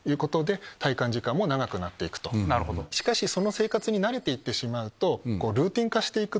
しかしその生活に慣れてしまうと。